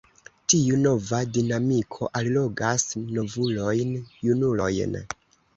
Tiu nova dinamiko allogas novulojn; junulojn.